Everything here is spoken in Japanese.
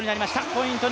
ポイント